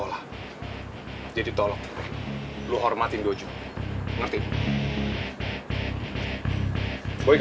ya ya lo gak mau dengerin gue sih